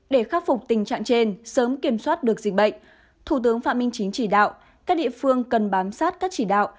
để khắc phục tình trạng trên sớm kiểm soát được dịch bệnh thủ tướng phạm minh chính chỉ đạo các địa phương cần bám sát các chỉ đạo